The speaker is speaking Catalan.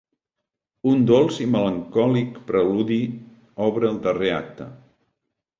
Un dolç i melancòlic preludi obre el darrer acte.